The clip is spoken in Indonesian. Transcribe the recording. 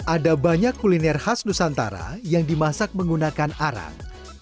ada banyak kuliner khas nusantara yang dimasak menggunakan arang